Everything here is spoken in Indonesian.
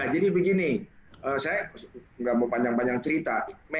jadi begini saya nggak mau panjang panjang cerita